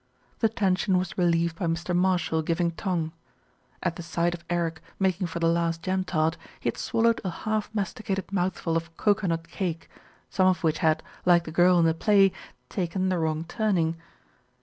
The tension was relieved by Mr. Marshall giving tongue. At the sight of Eric making for the last jam tart, he had swallowed a half masticated mouthful of cokernut cake, some of which had, like the girl in the play, taken the wrong turning.